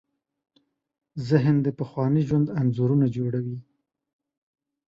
ذهن د پخواني ژوند انځورونه جوړوي.